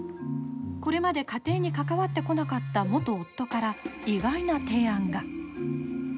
これまで家庭に関わってこなかった元夫から意外な提案が。